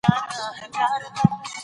نور يې بېله سرچينه بولي.